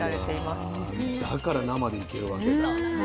だから生でいけるわけだ。